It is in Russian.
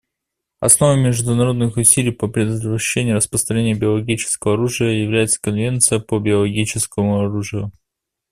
Основой международных усилий по предотвращению распространения биологического оружия является Конвенция по биологическому оружию.